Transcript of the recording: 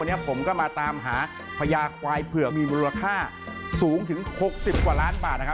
วันนี้ผมก็มาตามหาพญาควายเผื่อมีมูลค่าสูงถึง๖๐กว่าล้านบาทนะครับ